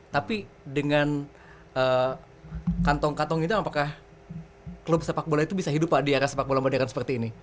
tapi dengan kantong kantong itu apakah klub sepak bola itu bisa hidup pak di era sepak bola modern seperti ini